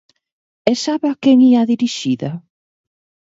¿E sabe a quen ía dirixida?